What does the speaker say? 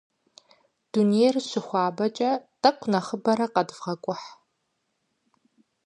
Дунейр щыхуабэкӏэ, тӏэкӏу нэхъыбэрэ къэдывгъэкӏухь.